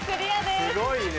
すごいね。